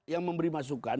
yang memberi masukan